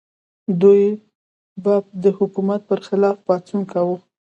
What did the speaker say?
دوی به د حکومت پر خلاف پاڅون کاوه.